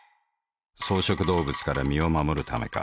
草食動物から身を護るためか。